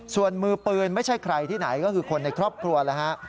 ส่วนมือปืนไม่ใช่ใครที่ไหนก็คือคนในครอบครัวแล้วฮะ